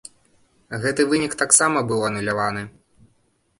Гэты вынік таксама быў ануляваны.